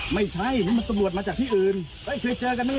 ไม่ใช่มันตำรวจมาจากที่อื่นเคยเจอกันไหมเหรอ